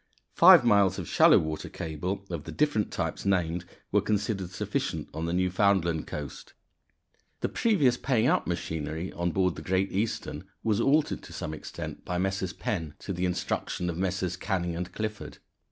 Five miles of shallow water cable, of the different types named, were considered sufficient on the Newfoundland coast. The previous paying out machinery on board the Great Eastern was altered to some extent by Messrs. Penn to the instructions of Messrs. Canning & Clifford.